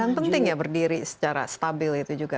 dan penting ya berdiri secara stabil itu juga